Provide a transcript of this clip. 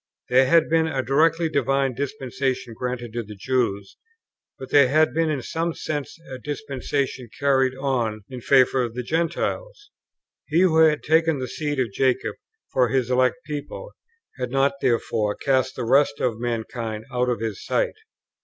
There had been a directly divine dispensation granted to the Jews; but there had been in some sense a dispensation carried on in favour of the Gentiles. He who had taken the seed of Jacob for His elect people had not therefore cast the rest of mankind out of His sight.